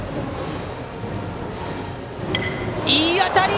いい当たり！